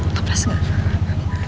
kau plus gak